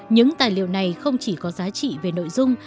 những tài liệu này không chỉ có giá trị về nội dung